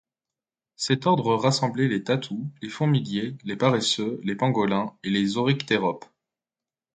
Cet ordre rassemblait les tatous, les fourmiliers, les paresseux, les pangolins et les oryctéropes.